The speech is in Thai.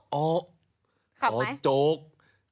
หับไหมโจ๊กหับไป